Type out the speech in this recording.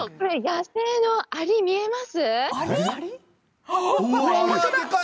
野生のアリ見えますか？